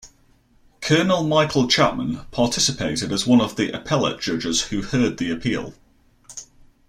Colonel Michael Chapman participated as one of the appellate judges who heard the appeal.